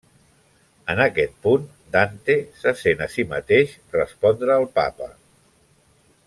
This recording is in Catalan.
En aquest punt Dante se sent a si mateix respondre al Papa.